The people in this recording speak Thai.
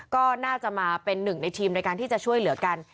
ก็น่าจะมาเป็นหนึ่งในทีมในการที่จะช่วยเหลือกัน